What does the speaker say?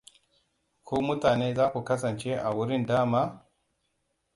Ku mutane za ku kasance a wurin, dama?